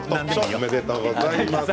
おめでとうございます。